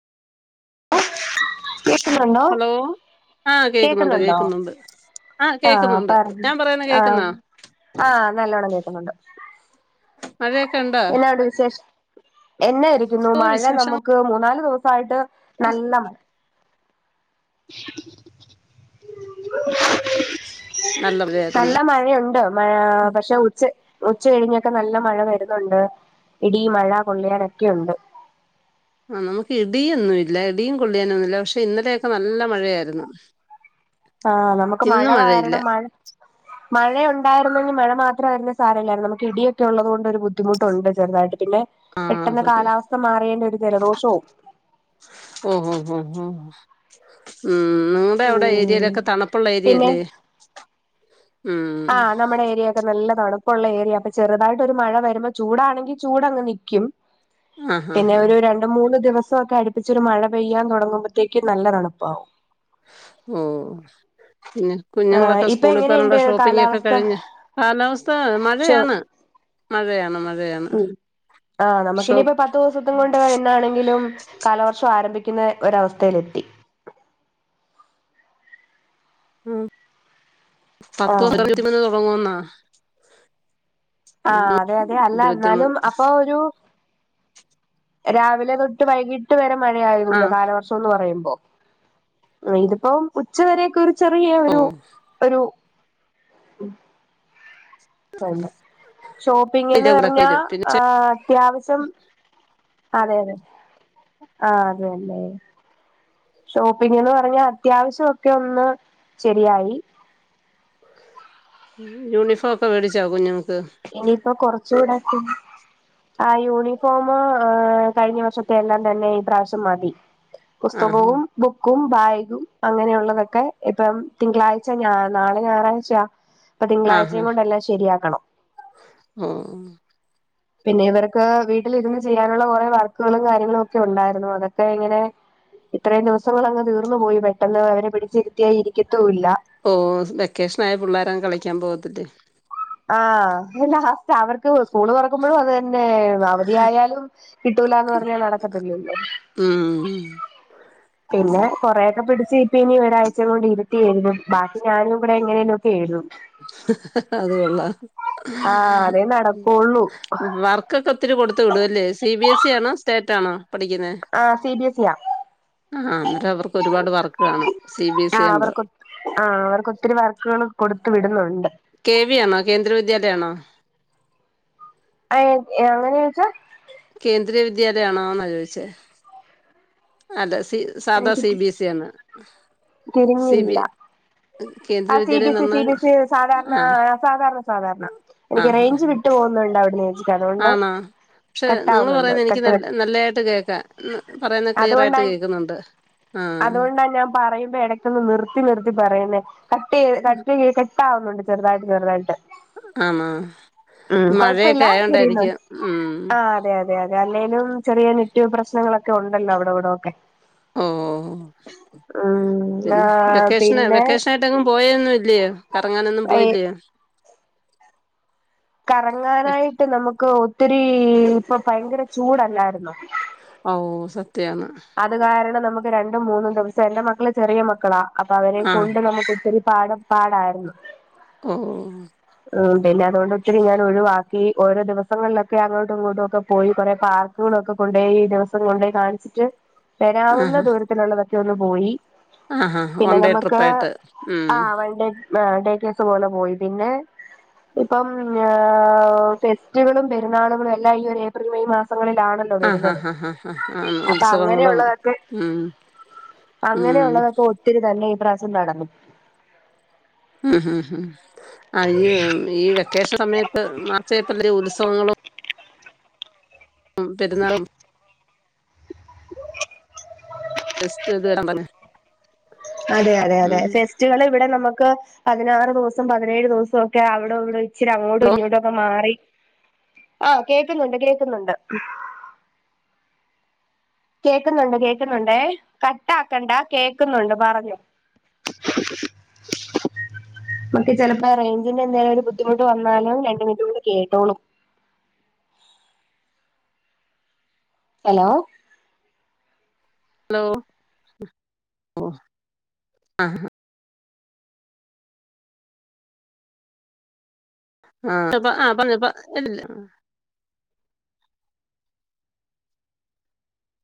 കേക്കുന്നുണ്ടോ ഹലോ ആ കേക്കുന്നുണ്ട് കേക്കുന്നുണ്ടോ കേൾക്കുന്നുണ്ട് ആ ആഹ് കേക്കുന്നുണ്ട് ഞാൻ പറയുന്നേ കേക്കുന്നോ? ആ നല്ലവണ്ണം കേക്കുന്നുണ്ട്. മഴയൊക്കെ ഉണ്ടോ? എന്നാ വിശേഷം? എന്നായിരിക്കുന്നു ഓ മഴ വിശേഷം നമ്മുക്ക് മൂന്നാല് ദിവസമായിട്ട് നല്ല നല്ല [inaudible] മഴയായിരുന്നു നല്ല മഴയുണ്ട് മഴാ പക്ഷെ ഉച്ച ഉച്ച കഴിഞ്ഞൊക്കെ നല്ല മഴ വരുന്നുണ്ട് ഇടി, മഴ, കൊള്ളിയാനൊക്കെയുണ്ട്. ആ നമ്മുക്ക് ഇടിയൊന്നുമില്ല ഇടിയും, കൊള്ളിയാനൊന്നും ഇല്ല പക്ഷെ ഇന്നലെയൊക്കെ നല്ല മഴയായിരുന്നു. ആഹ് നമ്മുക്ക് മഴ ഇന്ന് മഴയില്ല കാരണം മഴ മഴയുണ്ടായിന്നെങ്കിൽ മഴ മാത്രമായിരുന്നേ സാരമില്ലായിരുന്നു. നമ്മുക്ക് ഇടിയൊക്കെ ഉള്ളതു കൊണ്ട് ഒരു ബുദ്ധിമുട്ടുണ്ട് ചെറുതായിട്ട് പിന്നെ ആഹ് പെട്ടെന്ന് സത്യ കാലാവസ്ഥ മാറിയേന്റെ ഒരു ജലദോഷവും ഉം ഉം ഉം ഉം ഉം നിങ്ങടെ അവിടെ ഉം ഏരിയയിലൊക്കെ തണുപ്പുള്ള പിന്നെ ഏരിയല്ലേ? ഉം ആഹ് നമ്മടെ ഏരിയാ നല്ലതണുപ്പുള്ള ഏരിയാ. അപ്പൊ ചെറുതായിട്ട് ഒരു മഴ വരുമ്പോ ചൂടാണെങ്കിൽ ചൂടങ്ങ് നിക്കും. ആഹ് ഹാ പിന്നെ ഹാ ഒരു രണ്ടുമൂന്ന് ദിവസം ഒക്കെ അടുപ്പിച്ച് ഒരു മഴ പെയ്യാൻ തുടങ്ങുമ്പോഴത്തേക്ക് നല്ല തണുപ്പാവും. ഉം പിന്നെ ആഹ് കുഞ്ഞുങ്ങളൊക്കെ ഇപ്പൊ സ്കൂളിൽ പോവാൻ എങ്ങനെയുണ്ട് ഒള്ള ഷോപ്പിംഗ് ഒക്കെ കാലാവസ്ഥ കഴിഞ്ഞ് കാലാവസ്ഥ ചോ മഴയാണ് മഴയാണ് മഴയാണ് ഉം ആഹ് ഷോപ് നമുക്കിനിയിപ്പോ [unintelligible] കൊണ്ട് എന്നാണെങ്കിലും കാലവർഷം ആരംഭിക്കുന്ന ഒരവസ്ഥയിലെത്തി ഉം പത്ത് ആഹ് [unintelligible] മുന്ന് തുടങ്ങുവന്നാ ആഹ് അതെ അതെ അല്ല എന്നാലും ഇരുപത്തിമൂന്ന് അപ്പൊ ഒരു രാവിലെ തൊട്ട് വൈകിട്ട് വരെ മഴ ആ ആയികൂല കാലവർഷം ന്ന് പറയുമ്പോ ഇതിപ്പോം ഉച്ചവരെക്കെ ഒരു ചെറിയ ഓ ഒരു ഒരു [unintelligible] ഷോപ്പിംഗ് എന്ന് ഇതിന്റെ കൂടൊക്കെ പറഞ്ഞാ വരും ആ പിന്നെ അത്യാവിശ്യം അതെ അതെ ആഹ് അതെ അല്ലെ ഷോപ്പിംഗ് എന്ന് പറഞ്ഞാ അത്യാവശ്യം ഒക്കെ ഒന്ന് ശരിയായി യൂണിഫോം ഒക്കെ വേടിച്ചാ കുഞ്ഞുങ്ങക്ക്‌ ഇനിയിപ്പ കൊറച്ചുകുടോക്കെ ആ യൂണിഫോമ് കഴിഞ്ഞ വർഷത്തെ എല്ലാം തന്നെ ഈ പ്രാവശ്യം മതി ആഹാ പുസ്തകവും ബുക്കും ബാഗും അങ്ങനെയുള്ളതൊക്കെ ഇപ്പം തിങ്കളാഴ്ച നാളെ ഞായറാഴ്ചയാ ഇപ്പൊ ആഹാ തിങ്കളാഴ്ചയും കൊണ്ടല്ലാം ശരിയാക്കണം ഉം പിന്നെ ഇവർക്ക് വീട്ടിലിരുന്ന് ചെയ്യാനുള്ള കുറെ വർക്കുകളും കാര്യങ്ങളും ഒക്കെ ഉണ്ടായിരുന്നു അതൊക്കെ ഇങ്ങനെ ഇത്രയും ദിവസങ്ങൾ അങ്ങ് തീർന്നു പോയി പെട്ടെന്ന് അവര് പിടിച്ചിരുത്തിയാ ഇരിക്കത്തൂ ഇല്ല ഓ വെക്കേഷൻ ആയ പിള്ളേര് അങ്ങ് കളിക്കാൻ പോകത്തില്ലേ ആ ലാസ്റ്റ് അവർക്ക് സ്കൂള് തുറക്കുമ്പോഴും അത് തന്നെ അവധിയായാലും കിട്ടൂലാന്ന് പറഞ്ഞാൽ നടക്കത്തില്ലല്ലോ ഉം പിന്നെ കൊറെക്കെ പിടിച്ച് ഇപ്പ ഇനി ഒരാഴ്ച കൊണ്ട് ഇര് ത്തി എഴുതും ബാക്കി ഞാനും കൂടെ എങ്ങനെലും ഒക്കെ എഴുതും അതുകൊള്ളാം ആഹ് അതേ നടക്കുള്ളൂ വർക്കൊക്കെ ഒത്തിരി കൊടുത്തു വിടും അല്ലേ സി ബി എസ് ഇ ആണോ സ്റ്റേറ്റ് ആണോ പഠിക്കുന്നെ ആഹ് C B S E yeah ആഹ് അന്നേരം അവർക്ക് ഒരുപാട് വർക്ക് കാണും സി ബി എസ് ഇ ആഹ് ആകുമ്പോ അവർക്ക് ആഹ് അവർക്ക് ഒത്തിരി വർക്കുകള് കൊടുത്ത് വിടുന്നുണ്ട് കെ വി ആണോ കേന്ദ്ര വിദ്യാലയ ആണോ ആ അങ്ങനെ ചോദിച്ചാ കേന്ദ്രീയ വിദ്യാലയ ആണോ എന്നാ ചോദിച്ചേ അല്ല സി സാദാ എനിക്ക് സി ബി എസ്‌ ഇ ആന്ന തിരിഞ്ഞില്ല കേന്ദ്ര ആ സി ബി വിദ്യാലയം എന്ന് എസ് ഇ സി പറഞ്ഞാൽ ബി എസ് ഇ സാധാരണ ആഹ് സാധാരണ സാധാരണ എനിക്ക് ആഹ് ആഹ് റേഞ്ച് വിട്ടു പോകുന്നുണ്ട് അവിടെന്ന് ചേച്ചിക്ക് അതുകൊണ്ട് ആണോ പക്ഷെ നിങ്ങള് കട്ടാവുന്നുണ്ട് പറയുന്ന എനിക്ക് കട്ട് ന കട്ട് നല്ലയായിട്ട് കേൾക്കാ പറയുന്ന ക്ലിയർ അതുകൊണ്ടാ ആയിട്ട് കേക്കുന്നുണ്ട് അതുകൊണ്ടാ ഞാൻ പറയുമ്പോ ഇടയ്ക്കൊന്ന് നിർത്തി നിർത്തി പറയുന്നേ കട്ട് ചെയ്ത് കട്ട് കട്ടാവുന്നുണ്ട് ചെറുതായിട്ട് ചെറുതായിട്ട് ആന്നാ ഉം കൊഴപ്പില്ല മഴയൊക്കെ ആയതൊണ്ടായിരിക്കും തിരിയുന്നുണ്ട് ഉം ആ അതെ അതെ അതെ അല്ലേലും ചെറിയ നെറ്റ് പ്രശ്നങ്ങളൊക്കെ ഉണ്ടല്ലോ അവിടെ ഇവിടോക്കെ ഓ ഓ ഉം ആ പിന്നെ വെക്കേഷന് പിന്നെ വെക്കേഷനായി ട്ടെങ്ങും പോയൊന്നും ഇല്ലയോ കറങ്ങാനൊന്നും പോയില്ലയോ കറങ്ങാനായിട്ട് നമുക്ക് ഒത്തിരി ഇപ്പൊ ഭയങ്കര ചൂടല്ലായിരുന്നോ ഓ സത്യാന്ന് അത് കാരണം നമുക്ക് രണ്ടും മൂന്നും ദിവസം എന്റെ മക്കള് ചെറിയ മക്കളാ അപ്പൊ അവരെ ആഹ് കൊണ്ട് നമുക്ക്‌ ഒത്തിരി പാട പാടായിരുന്നു ഓ ഉം പിന്നെ അതുകൊണ്ട് ഒത്തിരി ഞാൻ ഒഴിവാക്കി ഓരോ ദിവസങ്ങളിലൊക്കെ അങ്ങോട്ടും ഇങ്ങോട്ടും ഒക്കെ പോയി കുറെ പാർക് ക്കുകളൊക്കെ കൊണ്ടുപോയി ദിവസം കൊണ്ടോയി കാണിച്ചിട്ട് വരാവുന്ന ആഹ് ദൂരത്തിലുള്ളതൊക്കെ ഒന്ന് പോയി ആഹ് വൺ പിന്നെ ഡേ നമുക്ക് ട്രിപ്പായിട്ട് ഉം ആ വൺ ഡേ ആഹ് ഡേക്കസ് പോലെ പോയി പിന്നെ ഇപ്പം ഫെസ്റ്റുകളും പെരുന്നാളുകളും എല്ലാം ഈ ഒരു ഏപ്രിൽ മെയ് മാസം സങ്ങളിലാണല്ലോ വരുന്നത്. ഹ ഹ ആഹ് അപ്പൊ ഉത്സവങ്ങളും അങ്ങനെയുള്ളതൊക്കെ ഉം ഉം അങ്ങനെയുള്ളതൊക്കെ ഒത്തിരി തന്നെ ഈ പ്രാവസ്യം നടന്നു ഉം ഹം ആഹ് ഈ ഈ വെക്കേഷൻ സമയത്ത് മാച്ചേപ്പല്ല ഉത്സവങ്ങളും ഉം പെരുന്നാളും ടെസ്റ്റ്ത് അതെ അതെ അതെ ഫെസ്റ്റിവൽ ഇവിടെ നമുക്ക് പതിനാറ് ദിവസം പതിനേഴ് ദിവസം ഒക്കെ അവിടെ ഇവിടെ ഇച്ചിരി അങ്ങോട്ടും ഹലോ ഇഞ്ഞോട്ടുംക്കെ മാറി ആഹ് കേൾക്കുന്നുണ്ട് കേൾക്കുന്നുണ്ട്. കേൾക്കുന്നുണ്ട് കേക്കുന്നുണ്ട് കട്ടാക്കണ്ട കേക്കുന്നുണ്ട് പറഞ്ഞു [unintelligible] മേ ചിലപ്പോ റേഞ്ചിന്റെ എന്തേലും ഒരു ബുദ്ധിമുട്ട് വന്നാലും രണ്ട മിനിറ്റ്ണ്ട് കേട്ടോളൂ ഹലോ ഹലോ ഓ ആഹ് [unintelligible]